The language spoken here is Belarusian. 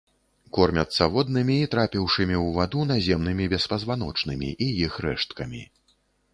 Кормяцца воднымі і трапіўшымі ў ваду наземнымі беспазваночнымі і іх рэшткамі.